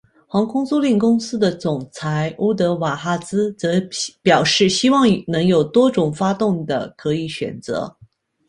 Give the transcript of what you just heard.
航空租赁公司的总裁乌德瓦哈兹则表示希望能有多种发动的可以选择。